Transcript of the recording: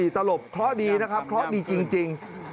๓๔ตลบเค้าดีนะครับเค้าดีจริง